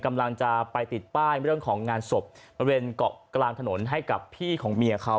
กำลังจะไปติดป้ายเรื่องของงานศพบริเวณเกาะกลางถนนให้กับพี่ของเมียเขา